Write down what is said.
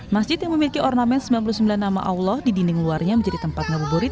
masjid yang memiliki ornamen sembilan puluh sembilan nama allah di dinding luarnya menjadi tempat ngabuburit